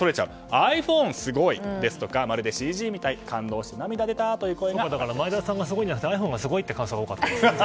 ｉＰｈｏｎｅすごいですとかまるでＣＧみたい前澤さんがすごいんじゃなくてｉＰｈｏｎｅがすごいという感想が多かったですね。